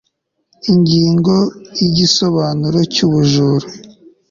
Ingingo ya Igisobanuro cy ubujura